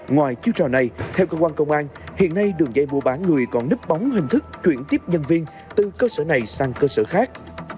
ngoài chiêu trò này theo cơ quan công an hiện nay đường dây mua bán người còn nếp bóng hình thức chuyển tiếp nhân viên từ cơ sở này sang cơ sở khác